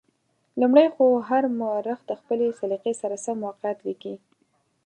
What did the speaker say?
لومړی خو هر مورخ د خپلې سلیقې سره سم واقعات لیکلي.